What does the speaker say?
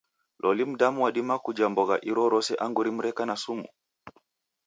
Loli mndu wadima kuja mbogha irorose angu rimu reka na sumu?